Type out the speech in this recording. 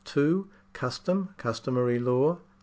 Custom — customary law.